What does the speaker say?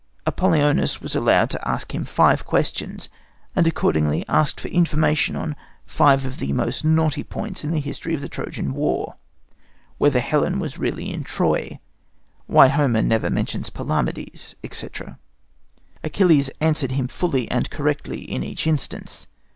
Apollonius was allowed to ask him five questions, and accordingly asked for information on five of the most knotty points in the history of the Trojan War whether Helen was really in Troy, why Homer never mentions Palamedes, etc. Achilles answered him fully and correctly in each instance.